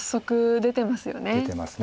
出てます。